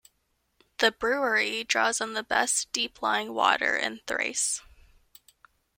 The brewery draws on the best deep-lying water in Thrace.